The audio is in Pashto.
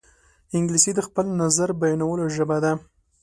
انګلیسي د خپل نظر بیانولو ژبه ده